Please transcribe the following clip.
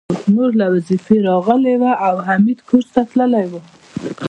مور له وظيفې راغلې وه او حميد کورس ته تللی و